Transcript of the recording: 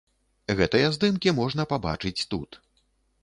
Гэтыя здымкі можна пабачыць тут.